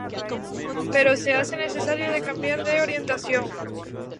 Pero se hace necesario de cambiar de orientación.